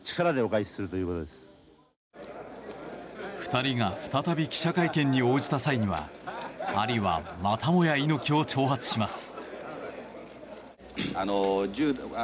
２人が再び記者会見に応じた際にはアリは、またもや猪木を挑発します。